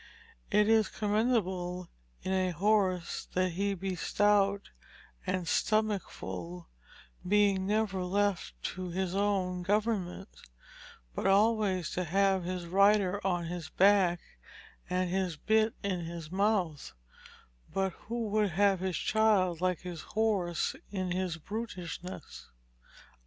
It is commendable in a horse that he be stout and stomackfull being never left to his own government, but always to have his rider on his back and his bit in his mouth, but who would have his child like his horse in his brutishnes?"